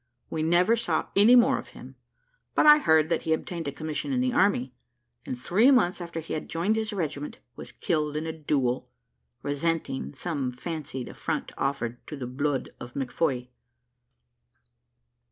We never saw any more of him; but I heard that he obtained a commission in the army, and three months after he had joined his regiment was killed in a duel, resenting some fancied affront offered to the bluid of McFoy.